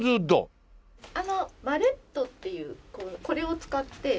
あのマレットっていうこれを使って演奏する。